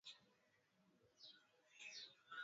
Nisamehewe dhambi zangu,